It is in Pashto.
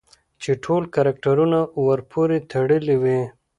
چې ټول کرکټرونه ورپورې تړلي وي